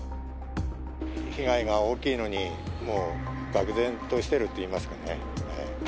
被害が大きいのに、もうがく然としているといいますかね。